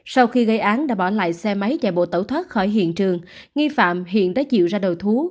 sau khi gây án đã bỏ lại xe máy chạy bộ tẩu thoát khỏi hiện trường nghi phạm hiện đã chịu ra đầu thú